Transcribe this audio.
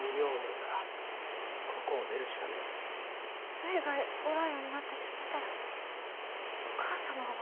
るいがおらんようになってしもうたらお義母様は。